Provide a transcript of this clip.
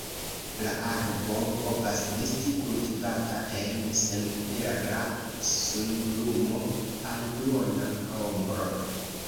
La arbo povas esti kultivata en senpera sunlumo al duona ombro.